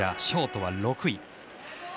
ショートは６位。